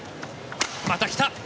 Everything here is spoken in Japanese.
また来た。